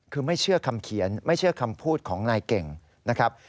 คือไม่เชื่อคำเขียนไม่เชื่อคำพูดของนายเก่งนะครับ